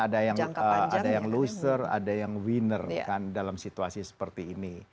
ada yang loser ada yang winner kan dalam situasi seperti ini